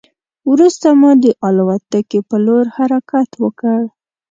وروسته مو د الوتکې په لور حرکت وکړ.